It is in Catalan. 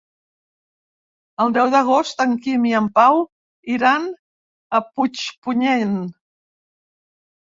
El deu d'agost en Quim i en Pau iran a Puigpunyent.